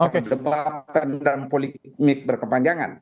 kekebatan dan politik berkepanjangan